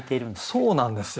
そうなんですよ。